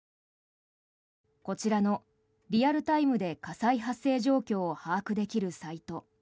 こちらのリアルタイムで火災発生状況が把握できるサイト。